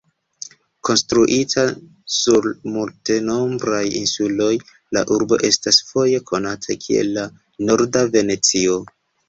Konstruita sur multenombraj insuloj, la urbo estas foje konata kiel "la Norda Venecio".